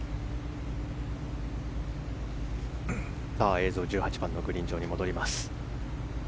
映像は１８番のグリーン上に戻ります。